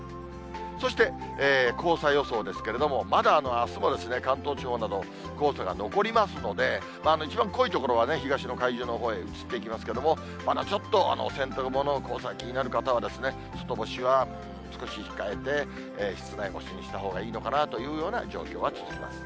そして黄砂予想ですけれども、まだあすも関東地方など、黄砂が残りますので、一番濃い所は東の海上のほうへ移っていきますけれども、まだちょっと洗濯物、黄砂気になる方は、外干しは少し控えて、室内干しにしたほうがいいのかなというような状況は続きます。